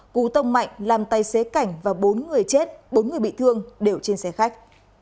cú tông mạnh làm tay xế cảnh và bốn người chết bốn người bị thương đều trên xe khách